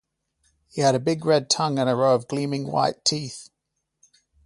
He had a big red tongue and a row of gleaming white teeth!